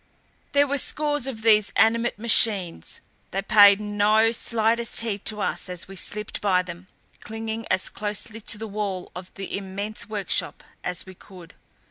There were scores of these animate machines; they paid no slightest heed to us as we slipped by them, clinging as closely to the wall of the immense workshop as we could.